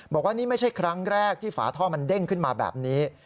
บอกว่านี่ไม่ใช่ครั้งแรกที่ฝาท่อมันเด้งขึ้นมาแบบนี้